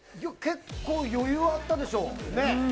結構余裕あったでしょう？ねぇ？